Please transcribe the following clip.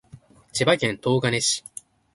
千葉県東金市